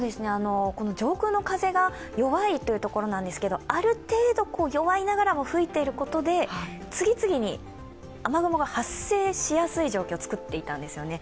上空の風が弱いというところですけれども、ある程度弱いながらも吹いていることで次々に雨雲が発生しやすい状況をつくっていたんですよね。